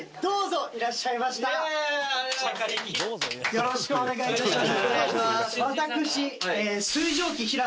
よろしくお願いします。